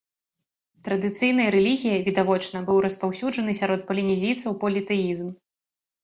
Традыцыйнай рэлігіяй, відавочна, быў распаўсюджаны сярод палінезійцаў політэізм.